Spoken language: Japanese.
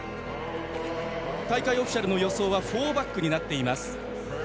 大会オフィシャルの予想はフォーバックになっています。